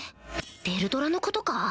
ヴェルドラのことか？